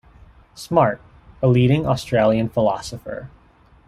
Smart, a leading Australian philosopher.